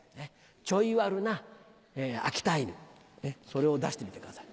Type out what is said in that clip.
チョイ悪な秋田犬それを出してみてください。